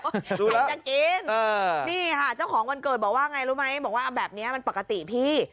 ใครจะกินนี่ค่ะเจ้าของวันเกิดบอกว่าไงรู้ไหมบอกว่าแบบนี้มันปกติพี่